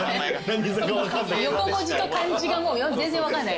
横文字と漢字が全然分かんない。